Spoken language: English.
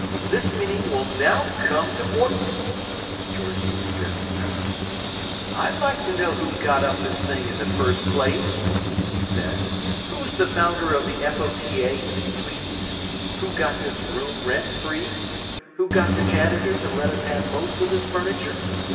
This meeting will now come to ord—" Georgie addressed the members. "I'd like to know who got up this thing in the first place," he said. "Who's the founder of the F.O.T.A., if you please? Who got this room rent free? Who got the janitor to let us have most of this furniture?